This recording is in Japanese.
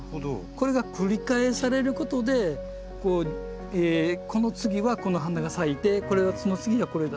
これが繰り返されることでこの次はこの花が咲いてこれはその次はこれだと。